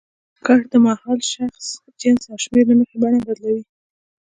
کړ د مهال، شخص، جنس او شمېر له مخې بڼه بدلوي.